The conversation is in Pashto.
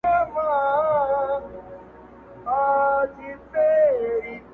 لا معیار د سړیتوب مال و دولت دی،